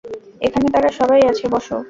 এখানে তারা সবাই আছে, বস।